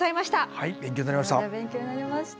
はい勉強になりました。